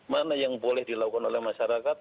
mana yang boleh dilakukan oleh masyarakat